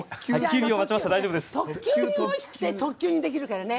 特級においしくて特急にできるからね。